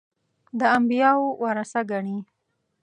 د انبیاوو ورثه ګڼي.